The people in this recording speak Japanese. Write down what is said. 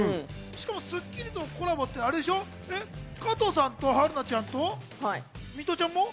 『スッキリ』とのコラボって加藤さんと春菜ちゃんとミトちゃんも？